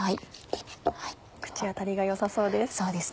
口当たりが良さそうです。